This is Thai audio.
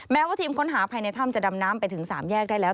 แม้ว่าทีมค้นหาภายในถ้ำจะดำน้ำไปถึง๓แยกได้แล้ว